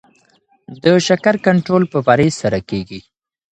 د شکر کنټرول په پرهیز سره کیږي.